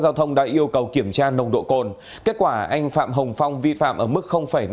giao thông đã yêu cầu kiểm tra nồng độ cồn kết quả anh phạm hồng phong vi phạm ở mức năm trăm bảy mươi